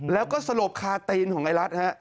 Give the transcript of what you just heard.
แล้วก็สลบคาตีนของไอ้รัฐฮะ